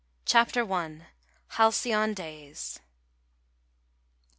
CHAPTER I. HALCYON DAYS.